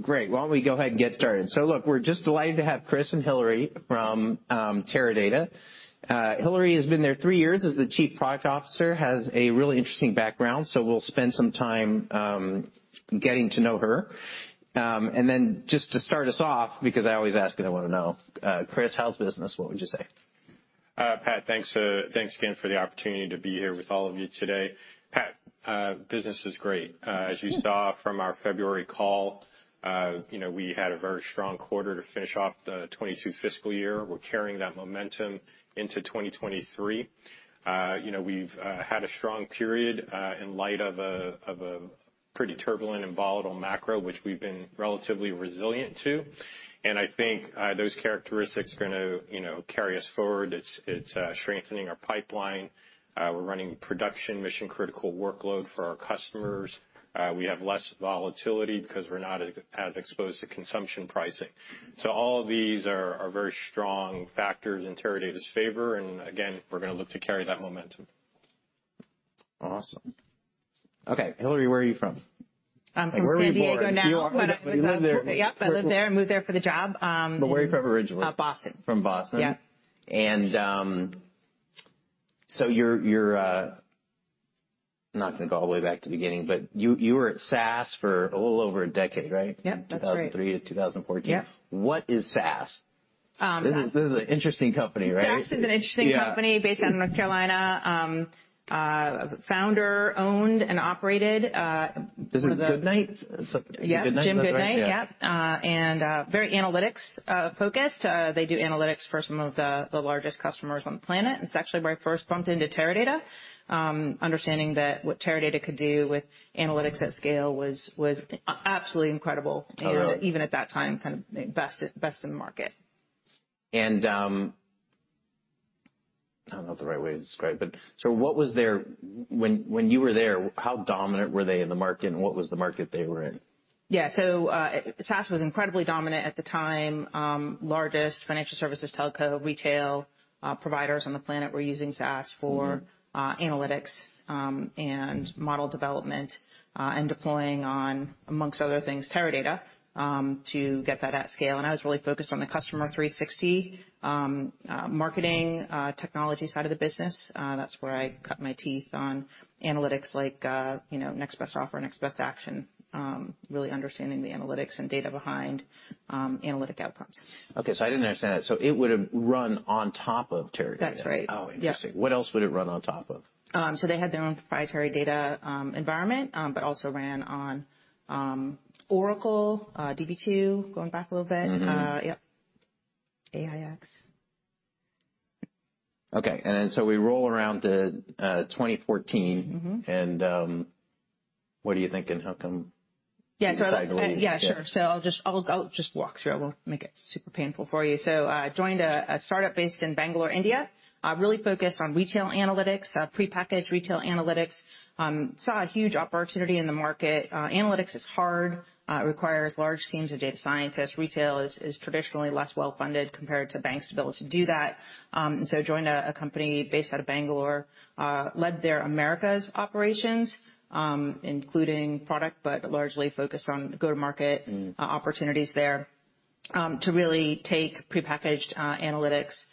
Great. Why don't we go ahead and get started? Look, we're just delighted to have Chris and Hillary from Teradata. Hillary has been there three years as the Chief Product Officer, has a really interesting background, so we'll spend some time getting to know her. Then just to start us off, because I always ask, and I wanna know, Chris, how's business? What would you say? Pat, thanks again for the opportunity to be here with all of you today. Pat, business was great. As you saw from our February call, you know, we had a very strong quarter to finish off the 2022 fiscal year. We're carrying that momentum into 2023. You know, we've had a strong period in light of a pretty turbulent and volatile macro, which we've been relatively resilient to. I think those characteristics are gonna, you know, carry us forward. It's strengthening our pipeline. We're running production mission-critical workload for our customers. We have less volatility because we're not as exposed to consumption pricing. All of these are very strong factors in Teradata's favor, and again, we're gonna look to carry that momentum. Awesome. Okay, Hillary, where are you from? I'm from San Diego now. Like, where were you born? You lived there. Yep, I live there. I moved there for the job. Where are you from originally? Boston. From Boston? Yeah. I'm not gonna go all the way back to the beginning, but you were at SAS for a little over a decade, right? Yep. That's right. 2003-2014. Yep. What is SAS? Um. This is an interesting company, right? SAS is an interesting company. Yeah. Based out of North Carolina. Founder-owned and operated. Is it Goodnight? Something. Yeah. Jim Goodnight. Is that right? Jim Goodnight. Yep. Very analytics focused. They do analytics for some of the largest customers on the planet. It's actually where I first bumped into Teradata. Understanding that what Teradata could do with analytics at scale was absolutely incredible. Totally. Even at that time, kind of best in the market. I don't know the right way to describe. When you were there, how dominant were they in the market, and what was the market they were in? Yeah. SAS was incredibly dominant at the time. Largest financial services telco retail providers on the planet were using SAS for. Mm-hmm. Analytics, and model development, and deploying on, amongst other things, Teradata, to get that at scale. I was really focused on the Customer 360 marketing technology side of the business. That's where I cut my teeth on analytics like, you know, next best offer, next best action, really understanding the analytics and data behind analytic outcomes. Okay. I didn't understand that. It would have run on top of Teradata. That's right. Oh, interesting. Yeah. What else would it run on top of? They had their own proprietary data, environment, but also ran on Oracle, Db2, going back a little bit. Mm-hmm. Yep. AIX. Okay. We roll around to 2014. Mm-hmm. And what do you thinking, how come? Yeah. You decide to leave? Yeah. Yeah, sure. I'll just walk through. I won't make it super painful for you. Joined a startup based in Bangalore, India. Really focused on retail analytics, prepackaged retail analytics. Saw a huge opportunity in the market. Analytics is hard. It requires large teams of data scientists. Retail is traditionally less well-funded compared to banks' ability to do that. Joined a company based out of Bangalore. Led their America's operations, including product, but largely focused on go-to-market opportunities there, to really take prepackaged analytics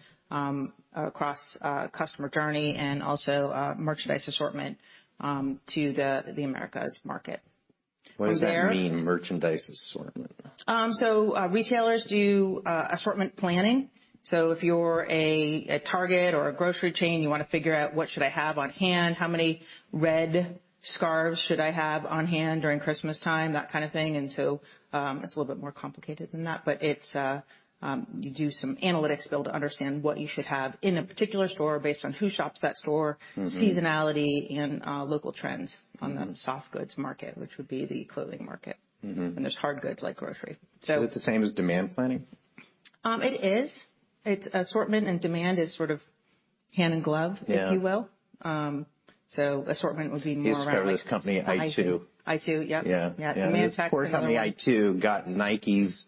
across customer journey and also merchandise assortment to the Americas market from there. What does that mean, merchandise assortment? Retailers do assortment planning. If you're a Target or a grocery chain, you wanna figure out what should I have on hand, how many red scarves should I have on hand during Christmas time, that kind of thing. It's a little bit more complicated than that, but it's, you do some analytics to be able to understand what you should have in a particular store based on who shops that store. Mm-hmm. Seasonality and, local trends. Mm. On the soft goods market, which would be the clothing market. Mm-hmm. There's hard goods like grocery. Is it the same as demand planning? It is. It's assortment and demand is sort of hand in glove. Yeah. if you will. Assortment would be more around Use to cover this company, i2. i2, yep. Yeah. Yeah. Yeah. Demand planning. This poor company, i2, got Nike's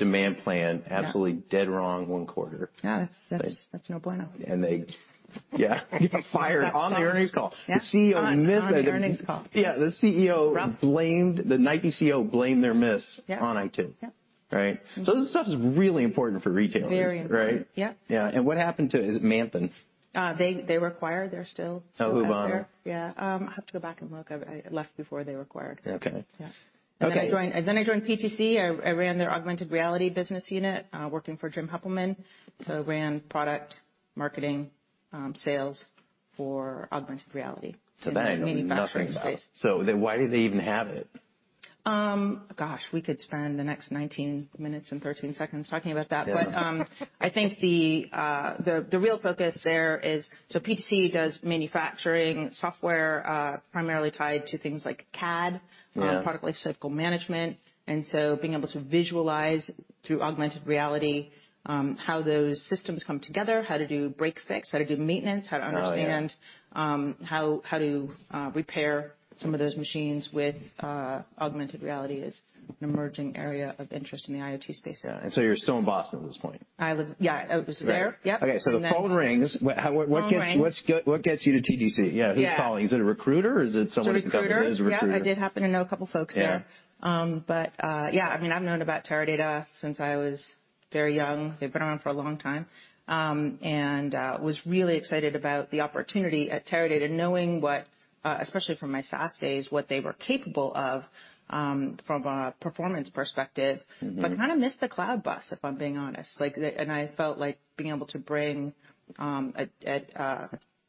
demand plan. Yeah. Absolutely dead wrong one quarter. Yeah. That's- They- That's no bueno. They. Yeah. Got fired on the earnings call. Yeah. The CEO admitted. On the earnings call. Yeah. The CEO- Rough. The Nike CEO blamed their miss on i2. Yeah. Right? Mm-hmm. This stuff is really important for retailers. Very important. Right? Yeah. Yeah. What happened to it? Is it Manhattan? They were acquired. They're still out there. Oh. Who bought them? Yeah. I have to go back and look. I left before they were acquired. Okay. Yeah. Okay. I joined PTC. I ran their augmented reality business unit, working for Jim Heppelmann. Ran product marketing, sales for augmented reality. That I know nothing about. In the manufacturing space. Why do they even have it? Gosh, we could spend the next 19 minutes and 13 seconds talking about that. Yeah. I think the real focus there is so PTC does manufacturing software, primarily tied to things like CAD- Yeah. product lifecycle management. Being able to visualize through augmented reality, how those systems come together, how to do break-fix, how to do maintenance. Oh, yeah. How to understand, how to repair some of those machines with augmented reality is an emerging area of interest in the IoT space. Yeah. You're still in Boston at this point? Yeah. I was there. Right. Yep. Okay. The phone rings. Phone rings. What gets you to TDC? Yeah. Yeah. Who's calling? Is it a recruiter or is it someone from the company? It's a recruiter. Who's recruiting? Yeah. I did happen to know a couple folks there. Yeah. Yeah, I mean, I've known about Teradata since I was very young. They've been around for a long time. Was really excited about the opportunity at Teradata, knowing what, especially from my SAS days, what they were capable of, from a performance perspective. Mm-hmm. Kind of missed the cloud bus, if I'm being honest. Like, I felt like being able to bring, at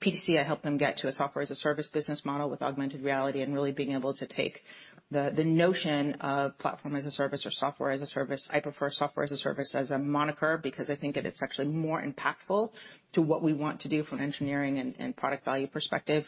PTC, I helped them get to a software as a service business model with augmented reality and really being able to take the notion of platform as a service or software as a service. I prefer software as a service as a moniker because I think that it's actually more impactful to what we want to do from engineering and product value perspective.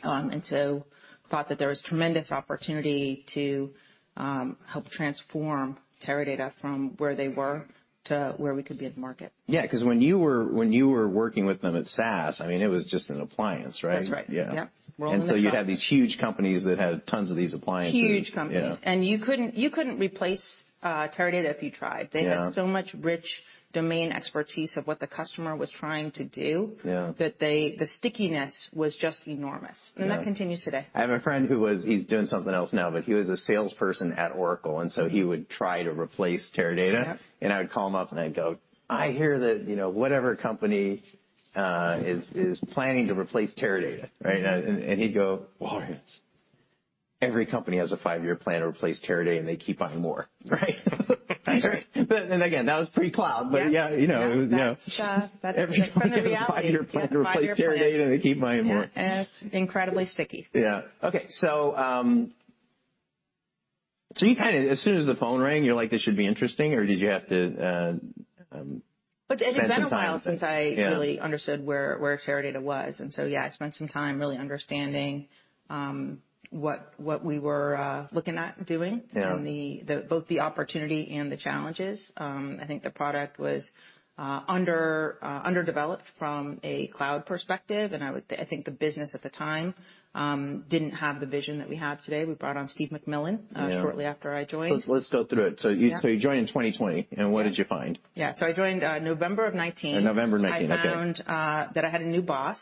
Thought that there was tremendous opportunity to help transform Teradata from where they were to where we could be in the market. Yeah, 'cause when you were, when you were working with them at SAS, I mean, it was just an appliance, right? That's right. Yeah. Yep. We're all in on SaaS. You'd have these huge companies that had tons of these appliances. Huge companies. Yeah. You couldn't replace Teradata if you tried. Yeah. They had so much rich domain expertise of what the customer was trying to do. Yeah... that the stickiness was just enormous. Yeah. That continues today. I have a friend. He's doing something else now, but he was a salesperson at Oracle. He would try to replace Teradata. Yeah. I would call him up, and I'd go, "I hear that, you know, whatever company is planning to replace Teradata," right? He'd go, "Wallace, every company has a five-year plan to replace Teradata, and they keep buying more." Right. That's right. Again, that was pre-cloud. Yeah. Yeah, you know. Yeah. That's. Every company. That's the reality. Has a five-year plan to replace Teradata, they keep buying more. Yeah. It's incredibly sticky. Yeah. Okay. As soon as the phone rang, you're like, "This should be interesting," or did you have to spend some time- It had been a while since- Yeah... really understood where Teradata was. Yeah, I spent some time really understanding what we were looking at doing. Yeah... both the opportunity and the challenges. I think the product was underdeveloped from a cloud perspective, and I think the business at the time, didn't have the vision that we have today. We brought on Steve McMillan. Yeah... shortly after I joined. Let's go through it. Yeah. You joined in 2020. Yeah. What did you find? Yeah. I joined, November of 2019. November of 2019. Okay. I found that I had a new boss.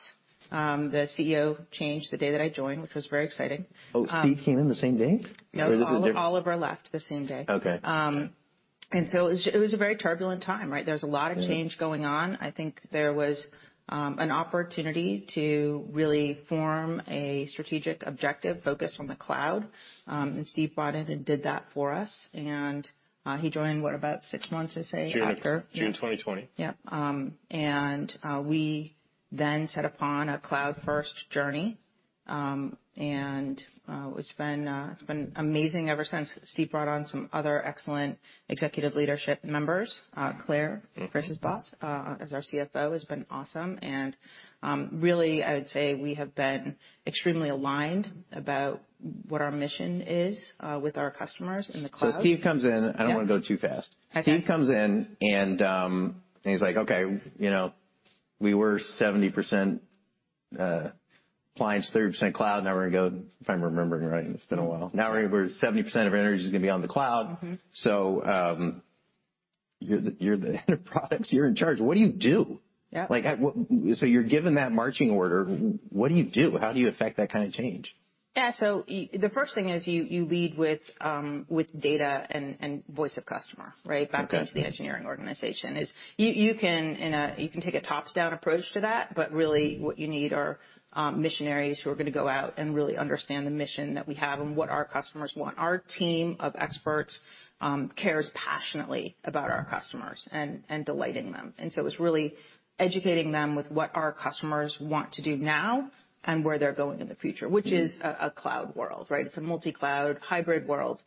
The CEO changed the day that I joined, which was very exciting. Oh, Steve came in the same day? No. Is this a different? Oliver left the same day. Okay. It was a very turbulent time, right? There was a lot of change- Yeah going on. I think there was an opportunity to really form a strategic objective focused on the cloud. Steve brought it and did that for us. He joined, what, about six months, you say, after. June. Yeah. June 2020. Yeah. We then set upon a cloud-first journey, which been it's been amazing ever since. Steve brought on some other excellent executive leadership members. Claire. Mm-hmm... Chris's boss, as our CFO, has been awesome. Really, I would say we have been extremely aligned about what our mission is with our customers in the cloud. Steve comes in. Yeah. I don't wanna go too fast. That's okay. Steve comes in and he's like, "Okay, you know, we were 70% clients, 30% cloud. Now we're gonna go..." If I'm remembering right, it's been a while. Mm-hmm. Now we're 70% of our energy is gonna be on the cloud. Mm-hmm. You're the Head of Products, you're in charge." What do you do? Yeah. Like, you're given that marching order. What do you do? How do you affect that kind of change? Yeah. The first thing is you lead with data and voice of customer, right? Okay. Back into the engineering organization is, you can take a top-down approach to that, but really what you need are missionaries who are gonna go out and really understand the mission that we have and what our customers want. Our team of experts cares passionately about our customers and delighting them. It was really educating them with what our customers want to do now and where they're going in the future. Mm-hmm Which is a cloud world, right? It's a multi-cloud, hybrid world.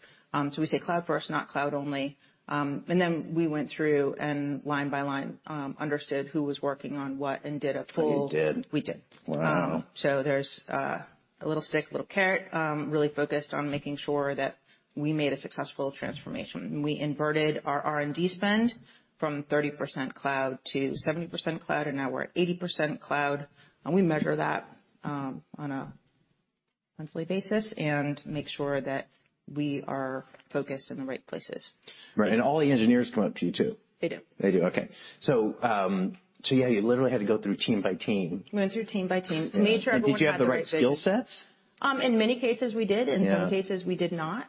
We say cloud first, not cloud only. Then we went through and line by line, understood who was working on what and did a full- You did. We did. Wow. There's a little stick, a little carrot, really focused on making sure that we made a successful transformation. We inverted our R&D spend from 30% cloud to 70% cloud, and now we're at 80% cloud. We measure that on a monthly basis and make sure that we are focused in the right places. Right. All the engineers come up to you too. They do. They do. Okay. Yeah, you literally had to go through team by team. Went through team by team. Yeah. Made sure everyone had the right- Did you have the right skill sets? In many cases, we did. Yeah. In some cases, we did not.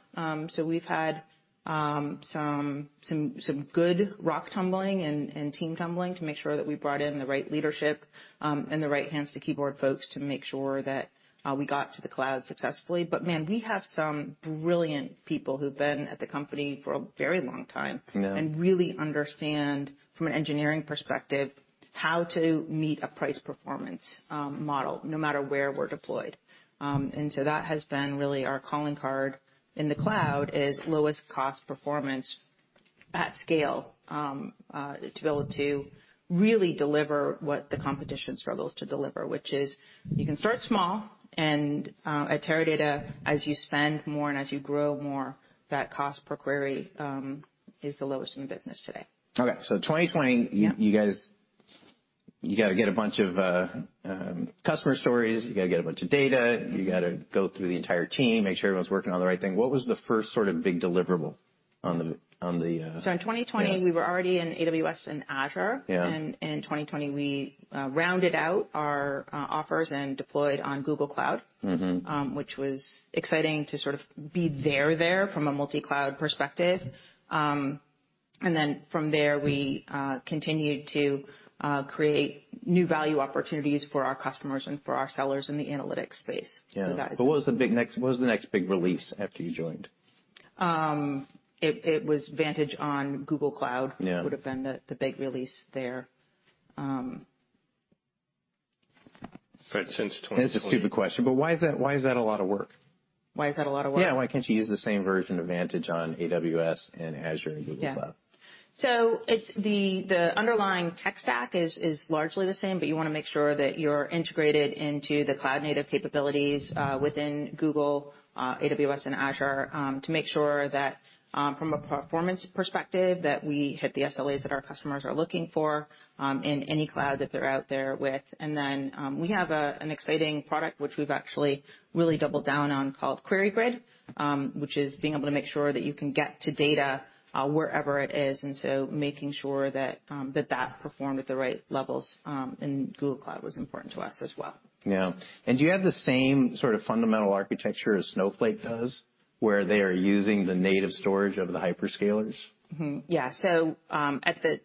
We've had some good rock tumbling and team tumbling to make sure that we brought in the right leadership, and the right hands to keyboard folks to make sure that we got to the cloud successfully. Man, we have some brilliant people who've been at the company for a very long time. Yeah... and really understand from an engineering perspective how to meet a price performance model no matter where we're deployed. That has been really our calling card in the cloud is lowest cost performance at scale to be able to really deliver what the competition struggles to deliver, which is you can start small and at Teradata, as you spend more and as you grow more, that cost per query is the lowest in the business today. Okay. 2020- Yeah you guys, you gotta get a bunch of customer stories, you gotta get a bunch of data, you gotta go through the entire team, make sure everyone's working on the right thing. What was the first sort of big deliverable on the, on the? So in 2020- Yeah we were already in AWS and Azure. Yeah. In 2020, we, rounded out our, offers and deployed on Google Cloud. Mm-hmm... which was exciting to sort of be there from a multi-cloud perspective. From there, we continued to create new value opportunities for our customers and for our sellers in the analytics space. Yeah. So that was- What was the next big release after you joined? It was Vantage on Google Cloud. Yeah Would have been the big release there. Since 2020- It's a stupid question, but why is that a lot of work? Why is that a lot of work? Yeah. Why can't you use the same version of Vantage on AWS and Azure and Google Cloud? Yeah. It's the underlying tech stack is largely the same, but you wanna make sure that you're integrated into the cloud-native capabilities within Google, AWS and Azure to make sure that from a performance perspective, that we hit the SLAs that our customers are looking for in any cloud that they're out there with. We have an exciting product which we've actually really doubled down on called QueryGrid, which is being able to make sure that you can get to data wherever it is, and so making sure that that performed at the right levels in Google Cloud was important to us as well. Yeah. Do you have the same sort of fundamental architecture as Snowflake does, where they are using the native storage of the hyperscalers? Yeah.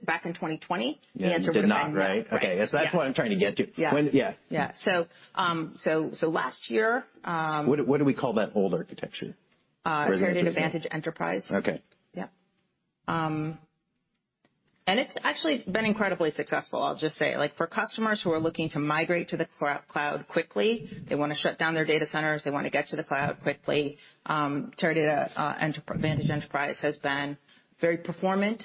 Back in 2020, the answer would have been. You did not, right? Right. Okay. That's what I'm trying to get to. Yeah. Yeah. Yeah. Last year. What did we call that old architecture? Teradata Vantage Enterprise. Okay. Yeah. It's actually been incredibly successful, I'll just say. Like, for customers who are looking to migrate to the cloud quickly, they wanna shut down their data centers, they wanna get to the cloud quickly, Teradata Vantage Enterprise has been very performant,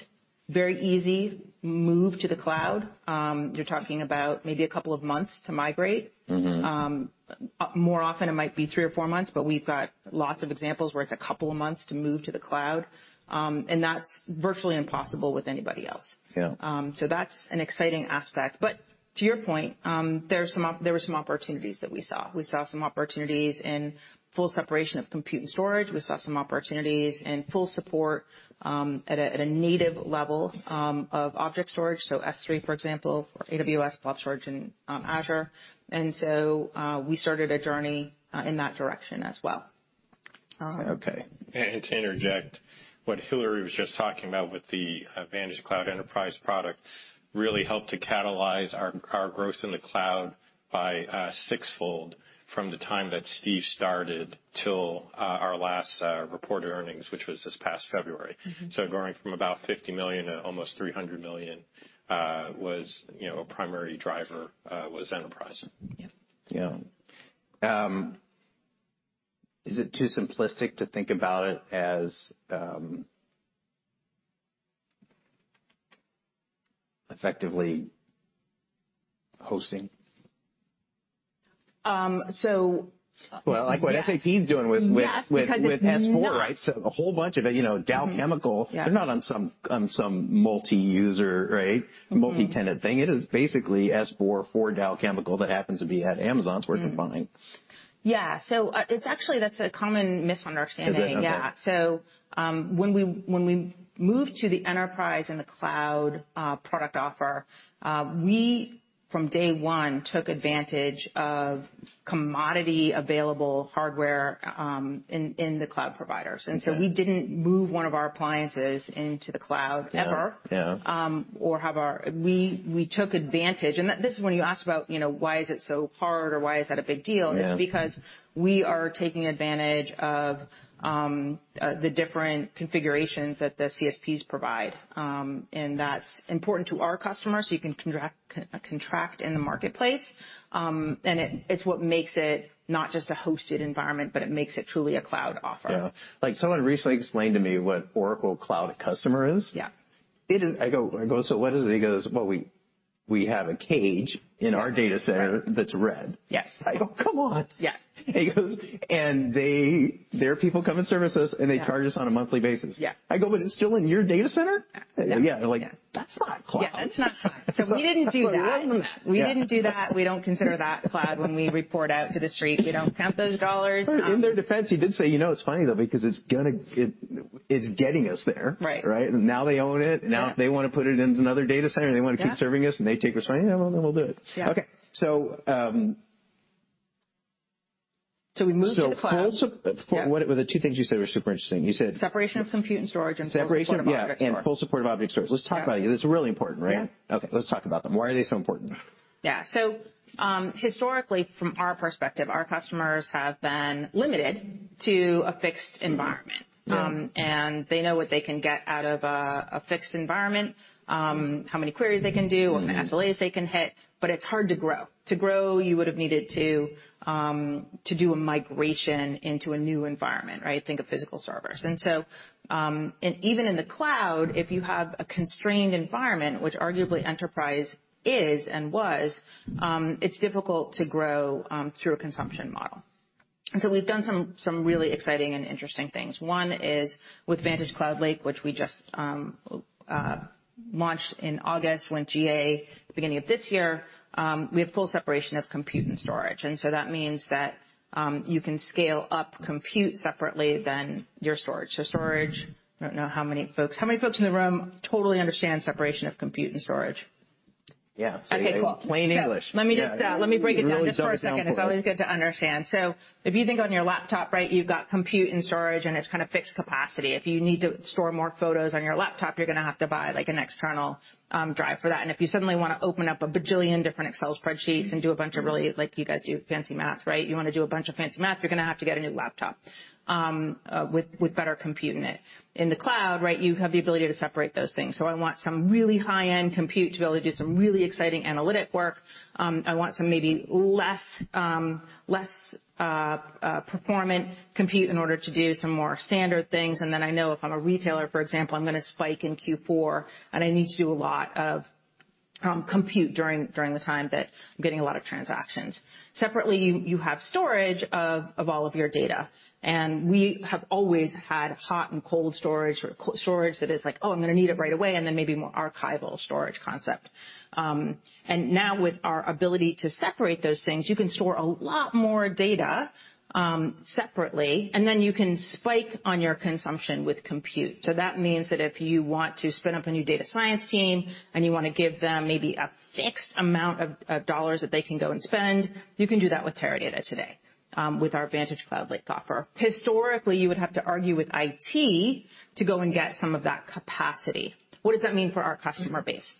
very easy move to the cloud. You're talking about maybe a couple of months to migrate. Mm-hmm. More often it might be three or four months, but we've got lots of examples where it's a couple of months to move to the cloud. That's virtually impossible with anybody else. Yeah. That's an exciting aspect. To your point, there were some opportunities that we saw. We saw some opportunities in full separation of compute and storage. We saw some opportunities in full support, at a native level, of object storage. S3, for example, on AWS, Blob Storage on Azure. We started a journey in that direction as well. Okay. To interject, what Hillary was just talking about with the VantageCloud Enterprise product really helped to catalyze our growth in the cloud by six-fold from the time that Steve started till our last reported earnings, which was this past February. Mm-hmm. Growing from about $50 million to almost $300 million, you know, was a primary driver, was Enterprise. Yeah. Yeah. Is it too simplistic to think about it as, effectively hosting? Um, so- Well, like what SAP's doing with- Yes, because it's not.... with S/4, right? A whole bunch of it, you know, Dow Chemical. Yeah They're not on some multi-user, right? Mm-hmm Multi-tenant thing. It is basically S/4 for Dow Chemical that happens to be at Amazon. Mm-hmm. It's worth combining. Yeah. It's actually, that's a common misunderstanding. Is it? Okay. Yeah. When we, when we moved to the enterprise and the cloud, product offer, we from day one, took advantage of commodity available hardware, in the cloud providers. Okay. We didn't move one of our appliances into the cloud ever. Yeah. Yeah. We took advantage. This is when you asked about, you know, why is it so hard or why is that a big deal. Yeah. It's because we are taking advantage of the different configurations that the CSPs provide. That's important to our customers, so you can contract in the marketplace. It's what makes it not just a hosted environment, but it makes it truly a cloud offer. Yeah. Like, someone recently explained to me what Oracle Cloud customer is. Yeah. It is. I go, "What is it?" He goes, "Well, we have a cage in our data center that's red. Yes. I go, "Come on. Yeah. He goes, "They, their people come and service us, and they charge us on a monthly basis. Yeah. I go, "It's still in your data center? Yeah. Yeah. Yeah... that's not cloud. Yeah, that's not cloud. That's not- We didn't do that. Yeah. We didn't do that. We don't consider that cloud when we report out to the street. We don't count those dollars. In their defense, he did say, "You know, it's funny though, because It's getting us there. Right. Right? Now they own it. Yeah. Now they wanna put it into another data center. Yeah. They wanna keep serving us, and they take us. Yeah, well, we'll do it. Yeah. Okay. So we moved to the cloud. Yeah. What were the two things you said were super interesting? You said. Separation of compute and storage and full support of object storage. Separation, yeah, and full support of object storage. Let's talk about it. Yeah. It's really important, right? Yeah. Let's talk about them. Why are they so important? Yeah. Historically, from our perspective, our customers have been limited to a fixed environment. Yeah. They know what they can get out of a fixed environment, how many queries they can do. Mm-hmm What the SLAs they can hit, but it's hard to grow. To grow, you would have needed to do a migration into a new environment, right? Think of physical servers. Even in the cloud, if you have a constrained environment, which arguably Enterprise is and was, it's difficult to grow, through a consumption model. We've done some really exciting and interesting things. One is with VantageCloud Lake, which we just, launched in August, went GA beginning of this year, we have full separation of compute and storage. That means that, you can scale up compute separately than your storage. Storage, I don't know how many folks... How many folks in the room totally understand separation of compute and storage? Yeah. Okay, cool. Say it in plain English. Let me just, let me break it down just for a second. Yeah. It's always good to understand. If you think on your laptop, right? You've got compute and storage, and it's kind of fixed capacity. If you need to store more photos on your laptop, you're gonna have to buy like an external drive for that. If you suddenly wanna open up a bajillion different Excel spreadsheets and do a bunch of really, like you guys do fancy math, right? You wanna do a bunch of fancy math, you're gonna have to get a new laptop with better compute in it. In the cloud, right? You have the ability to separate those things. I want some really high-end compute to be able to do some really exciting analytic work. I want some maybe less performant compute in order to do some more standard things. I know if I'm a retailer, for example, I'm gonna spike in Q4, and I need to do a lot of compute during the time that I'm getting a lot of transactions. Separately, you have storage of all of your data, and we have always had hot and cold storage. Storage that is like, "Oh, I'm gonna need it right away," and then maybe more archival storage concept. Now with our ability to separate those things, you can store a lot more data separately, and then you can spike on your consumption with Compute. That means that if you want to spin up a new data science team, and you wanna give them maybe a fixed amount of dollars that they can go and spend, you can do that with Teradata today with our VantageCloud Lake offer. Historically, you would have to argue with IT to go and get some of that capacity. What does that mean for our customer base?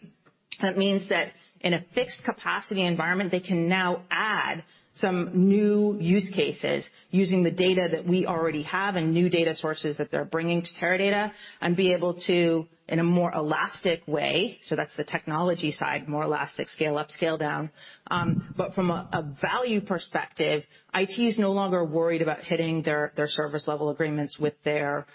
That means that in a fixed capacity environment, they can now add some new use cases using the data that we already have and new data sources that they're bringing to Teradata and be able to, in a more elastic way, so that's the technology side, more elastic, scale up, scale down. From a value perspective, IT is no longer worried about hitting their Service-Level Agreements with their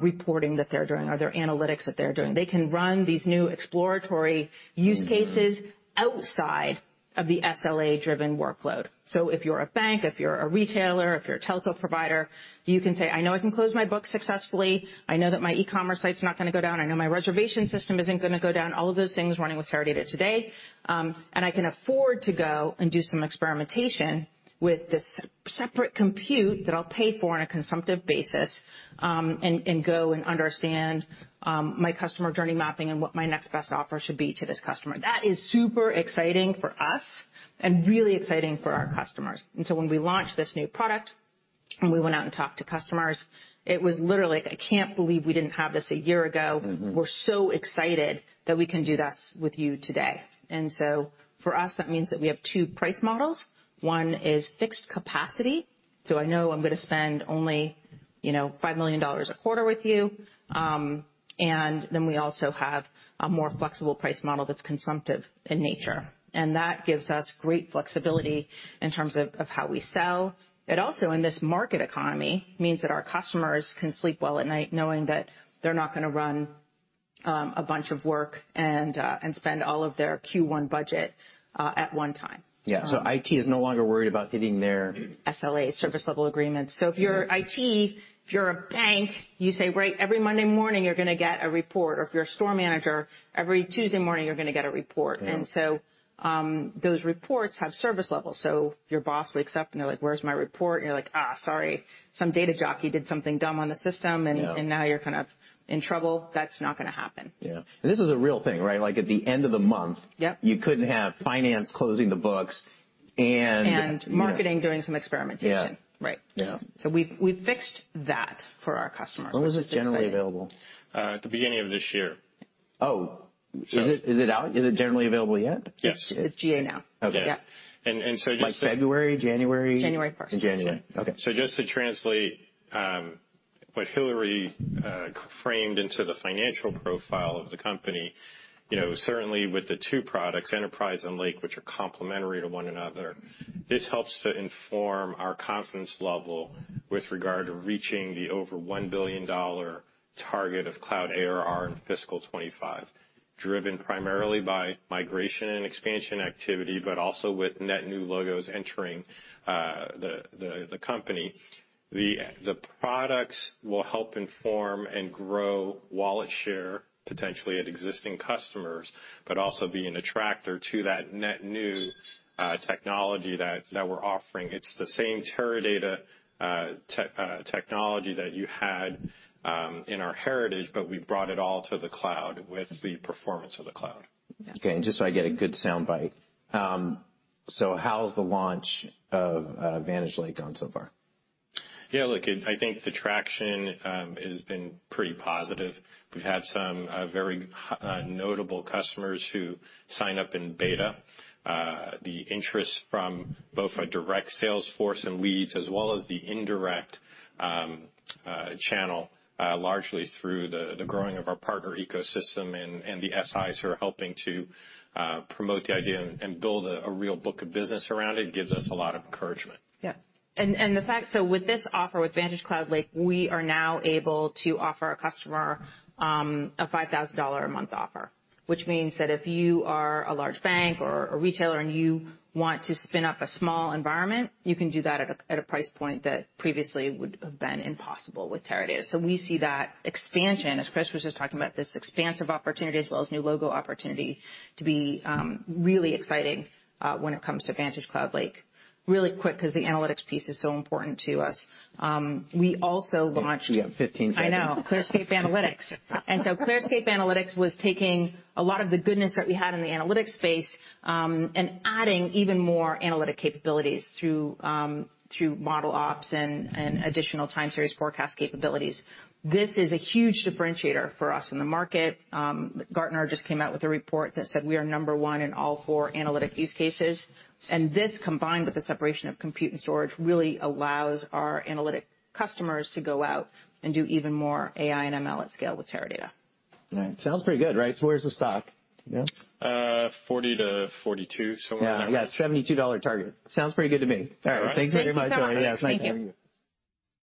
reporting that they're doing or their analytics that they're doing. They can run these new exploratory use cases outside of the SLA-driven workload. If you're a bank, if you're a retailer, if you're a telco provider, you can say, "I know I can close my books successfully. I know that my e-commerce site's not gonna go down. I know my reservation system isn't gonna go down," all of those things running with Teradata today. And I can afford to go and do some experimentation with this separate compute that I'll pay for on a consumptive basis, and go and understand my customer journey mapping and what my next best offer should be to this customer. That is super exciting for us and really exciting for our customers. When we launched this new product and we went out and talked to customers, it was literally like, "I can't believe we didn't have this a year ago. Mm-hmm. We're so excited that we can do this with you today." For us that means that we have two price models. One is fixed capacity, so I know I'm going to spend only, you know, $5 million a quarter with you. We also have a more flexible price model that's consumptive in nature, and that gives us great flexibility in terms of how we sell. It also, in this market economy, means that our customers can sleep well at night knowing that they're not going to run a bunch of work and spend all of their Q1 budget at one time. Yeah. IT is no longer worried about hitting their- SLA, Service-Level Agreements. If you're IT, if you're a bank, you say, "Great, every Monday morning you're gonna get a report." If you're a store manager, "Every Tuesday morning you're gonna get a report. Yeah. Those reports have service levels. Your boss wakes up, and they're like, "Where's my report?" You're like, "Sorry, some data jockey did something dumb on the system. Yeah. Now you're kind of in trouble. That's not gonna happen. Yeah. This is a real thing, right? Like, at the end of the month- Yep. You couldn't have finance closing the books and. Marketing doing some experimentation. Yeah. Right. Yeah. We've fixed that for our customers, which is exciting. When was this generally available? At the beginning of this year. Oh. Is it out? Is it generally available yet? Yes. It's GA now. Okay. Yeah. just to- Like February? January? January 1st. In January. Yeah. Okay. Just to translate what Hillary framed into the financial profile of the company, you know, certainly with the two products, Enterprise and Lake, which are complementary to one another, this helps to inform our confidence level with regard to reaching the over $1 billion target of cloud ARR in fiscal 2025, driven primarily by migration and expansion activity, but also with net new logos entering the company. The products will help inform and grow wallet share, potentially at existing customers, but also be an attractor to that net new technology that we're offering. It's the same Teradata technology that you had in our heritage, but we've brought it all to the cloud with the performance of the cloud. Yeah. Okay. Just so I get a good soundbite. How has the launch of VantageLake gone so far? Yeah, look, I think the traction has been pretty positive. We've had some very notable customers who sign up in beta. The interest from both a direct sales force and leads, as well as the indirect channel, largely through the growing of our partner ecosystem and the SIs who are helping to promote the idea and build a real book of business around it gives us a lot of encouragement. The fact, with this offer, with VantageCloud Lake, we are now able to offer a customer, a $5,000 a month offer, which means that if you are a large bank or a retailer and you want to spin up a small environment, you can do that at a price point that previously would have been impossible with Teradata. We see that expansion, as Chris was just talking about, this expansive opportunity as well as new logo opportunity to be really exciting when it comes to VantageCloud Lake. Really quick, 'cause the analytics piece is so important to us. We also launched. You have 15 seconds. I know. ClearScape Analytics. ClearScape Analytics was taking a lot of the goodness that we had in the analytics space, and adding even more analytic capabilities through ModelOps and additional time series forecast capabilities. This is a huge differentiator for us in the market. Gartner just came out with a report that said we are number one in all four analytic use cases, and this combined with the separation of compute and storage really allows our analytic customers to go out and do even more AI and ML at scale with Teradata. All right. Sounds pretty good, right? Where's the stock? Do you know? $40-$42, somewhere in that range. Yeah. Yeah, $72 target. Sounds pretty good to me. All right. All right. Thanks very much, Hillary. Thanks so much for having me. Yeah, nice having you.